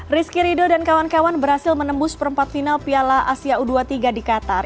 rizky ridho dan kawan kawan berhasil menembus perempat final piala asia u dua puluh tiga di qatar